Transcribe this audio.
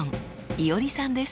いおりさんです。